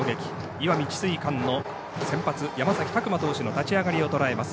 石見智翠館の先発山崎琢磨投手の立ち上がりをとらえます。